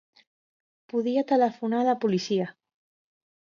Podia telefonar a la policia.